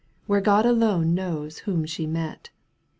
Where God alone knows whom she met.